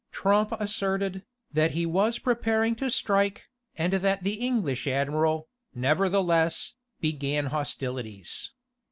Tromp asserted, that he was preparing to strike, and that the English admiral, nevertheless, began hostilities.